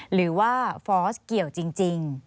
หรือว่าฟอร์สเกี่ยวจริง